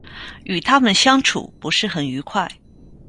与他们相处不是很愉快